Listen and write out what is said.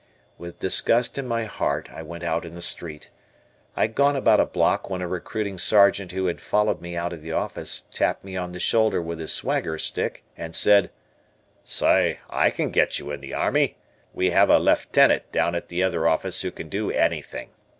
With disgust in my heart I went out in the street. I had gone about a block when a recruiting Sergeant who had followed me out of the office tapped me on the shoulder with his swagger stick and said: "Say, I can get you in the Army. We have a 'Leftenant' down at the other office who can do anything.